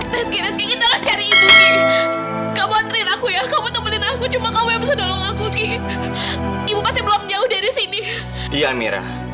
reski reski aku mau pergi dari sini